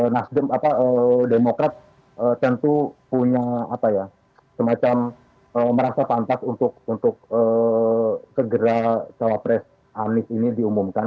nasdem apa demokrat tentu punya apa ya semacam merasa pantas untuk segera capres anies ini diumumkan